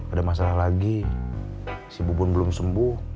ada masalah lagi si bubun belum sembuh